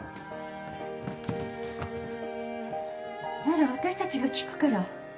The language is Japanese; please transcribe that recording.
なら私たちが聞くから。